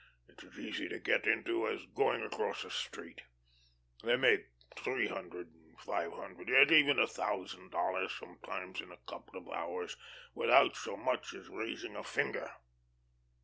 It's as easy to get into as going across the street. They make three hundred, five hundred, yes, even a thousand dollars sometimes in a couple of hours, without so much as raising a finger.